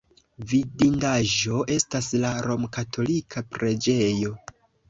Vidindaĵo estas la romkatolika preĝejo.